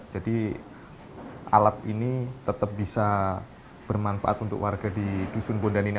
jadi alat ini tetap bisa bermanfaat untuk warga di dusun bondan ini